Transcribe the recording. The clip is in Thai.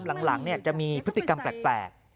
หลังจะมีพฤติกรรมแปลก